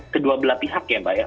kedua belah pihak ya mbak ya